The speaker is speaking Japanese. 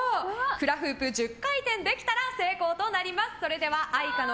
フラフープ１０回転できたら成功となります。